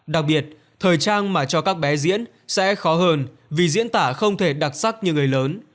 đặc biệt thời trang mà cho các bé diễn sẽ khó hơn vì diễn tả không thể đặc sắc như người lớn